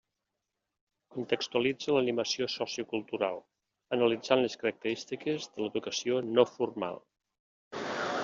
Contextualitza l'animació sociocultural, analitzant les característiques de l'educació no formal.